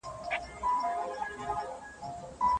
هغه ډنډ دی له دې ښار څخه دباندي